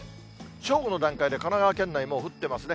正午の段階で神奈川県内、もう降ってますね。